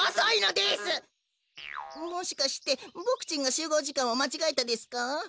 もしかしてボクちんがしゅうごうじかんをまちがえたですか？